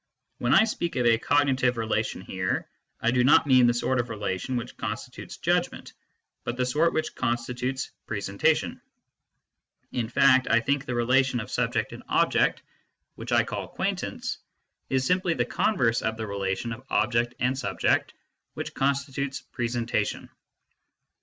When I speak of a cognitive relation here, I^do not mean the sort of relation which constitutes judgment, but the sort which constitutes In fact, I think the relation of subject ano 1 Soe references later. 309 aio MYSTICISM AND LOGIC object which I call acquaintance is simply the converse of the relation of object and subject which constitutes presentation.